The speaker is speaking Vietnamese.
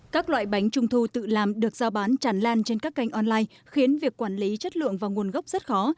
các loại bánh trung thu tự làm được giao bán tràn lan trên các kênh online khiến việc quản lý chất lượng và nguồn gốc rất khó